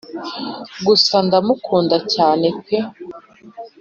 gusa ndamukunda cyane pe